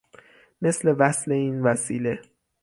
مثل وصل این وسیله